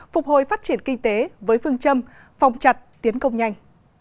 phục hồi phát triển kinh tế với phương châm phòng chặt tiến công nhanh